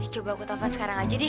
coba aku taukan sekarang aja deh